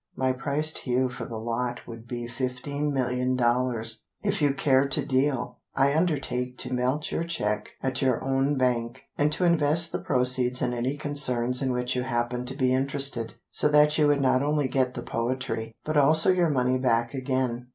My price to you for the lot would be Fifteen Million Dollars. If you care to deal, I undertake to melt your cheque At your own bank, And to invest the proceeds in any concerns In which you happen to be interested, So that you would not only get the poetry, But also your money back again.